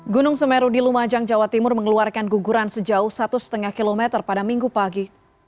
gunung semeru di lumajang jawa timur mengeluarkan guguran sejauh satu lima km pada minggu pagi